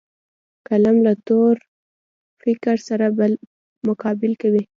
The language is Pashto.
قلم له تور فکر سره مقابل کوي